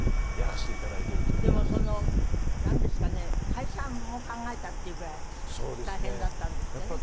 解散も考えたっていうぐらい大変だったんですってね。